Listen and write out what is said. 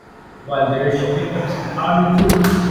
While there, she picked up some army troops.